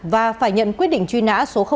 và phải nhận quyết định truy nã số hai